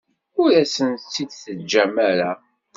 Ur asent-tt-id-teǧǧam ara.